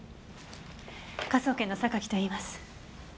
科捜研の榊といいます。